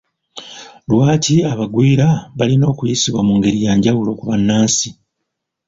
Lwaki abagwira balina okuyisibwa mu ngeri ya njawulo ku bannansi?